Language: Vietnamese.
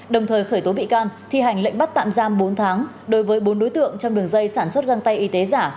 đồng thời khởi tố bị can thi hành lệnh bắt tạm giam bốn tháng đối với bốn đối tượng trong đường dây sản xuất găng tay y tế giả